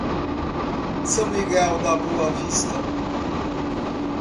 São Miguel da Boa Vista